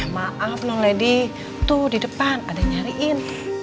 maaf dong lady tuh di depan ada nyariin